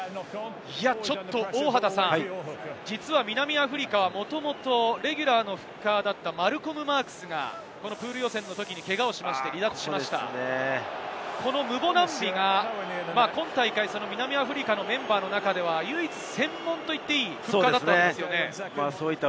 ちょっと実は、南アフリカは元々レギュラーのフッカーだったマルコム・マークスが、プール予選でけがをして離脱しましたムボナンビが南アフリカのメンバーの中では唯一専門と言っていいフッカーだったんです。